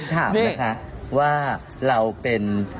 ถามนะคะว่าเราเป็น